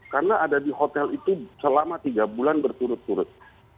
karena ada di hotel itu selama tiga bulan berturut turut